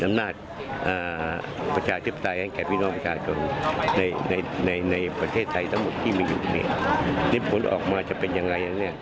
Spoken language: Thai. มันอาจจะเกิดการเปลี่ยนแปลง